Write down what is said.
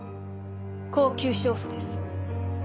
高級娼婦です。